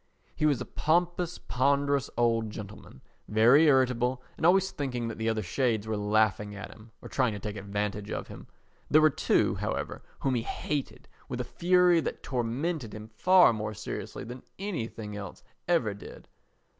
He was a pompous, ponderous old gentleman, very irritable and always thinking that the other shades were laughing at him or trying to take advantage of him. There were two, however, whom he hated with a fury that tormented him far more seriously than anything else ever did.